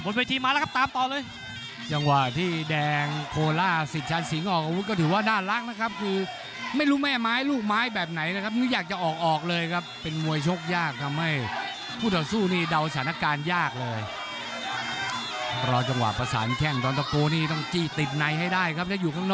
ด้านล่างเราครับไม่รู้แม่ไม้ลูกไม้แบบไหนนะครับยังไม่อยากจะออกเลยครับ